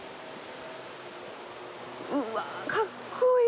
うわあ、かっこいい。